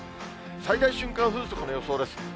最大瞬間風速の予想です。